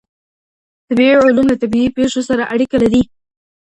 طبیعي علوم له طبیعي پېښو سره اړیکه لري.